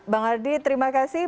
bang ardi terima kasih